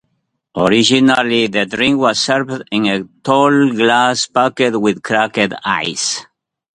Originally the drink was served in a tall glass packed with cracked ice.